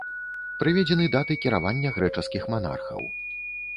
Прыведзены даты кіравання грэчаскіх манархаў.